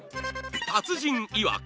達人いわく